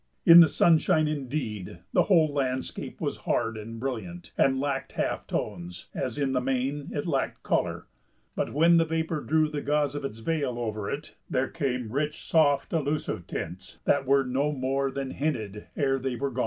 In the sunshine, indeed, the whole landscape was hard and brilliant, and lacked half tones, as in the main it lacked color; but when the vapor drew the gauze of its veil over it there came rich, soft, elusive tints that were no more than hinted ere they were gone.